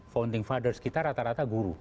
founding fathers kita rata rata guru